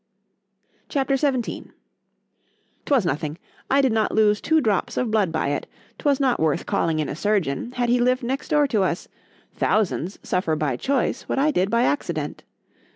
C H A P. XVII ——'TWAS nothing,—I did not lose two drops of blood by it——'twas not worth calling in a surgeon, had he lived next door to us——thousands suffer by choice, what I did by accident.